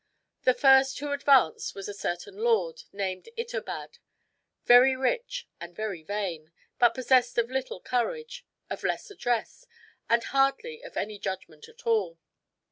The first who advanced was a certain lord, named Itobad, very rich and very vain, but possessed of little courage, of less address, and hardly of any judgment at all.